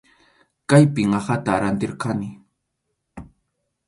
Kaypim aqhata rantirqani.